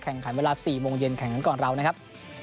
แข่งขันเวลา๔โมงเย็นแข่งกันก่อนเรานะครับ